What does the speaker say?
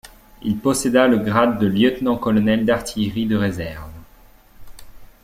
Il posséda le grade de lieutenant-colonel d’artillerie de réserve.